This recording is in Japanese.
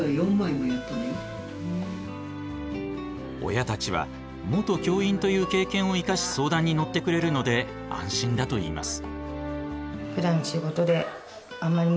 親たちは元教員という経験を生かし相談に乗ってくれるので安心だといいます。